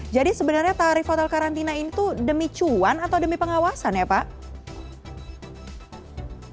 jadi sebenarnya tarif hotel karantina itu demi cuan atau demi pengawasan ya pak